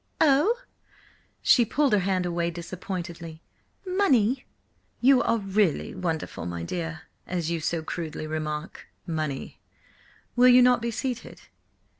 "Oh!" She pulled her hand away disappointedly. "Money!" "You are really wonderful, my dear. As you so crudely remark–money! Will you not be seated?"